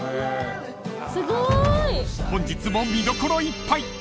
［本日も見どころいっぱい！